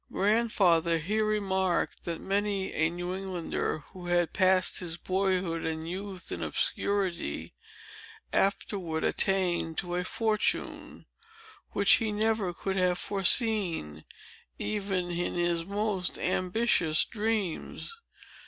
Grandfather here remarked, that many a New Englander, who had passed his boyhood and youth in obscurity, afterward attained to a fortune, which he never could have foreseen, even in his most ambitious dreams.